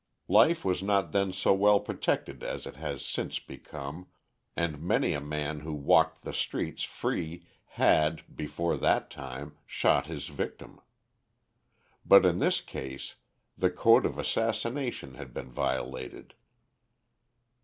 Life was not then so well protected as it has since become, and many a man who walked the streets free had, before that time, shot his victim. But in this case the code of assassination had been violated.